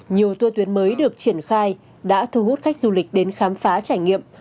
nhiều tour tuyến mới được triển khai đã thu hút khách du lịch đến khám phá trải nghiệm